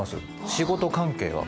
仕事関係は。